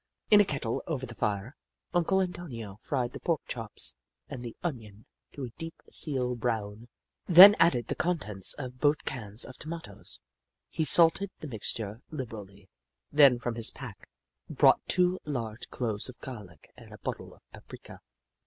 In a kettle, over the fire, Uncle Antonio fried the pork chops and the onion to a deep seal brown, then added the contents of both cans of tomatoes. He salted the mixture lib erally, then from his pack brought two large cloves of garlic and a bottle of paprika.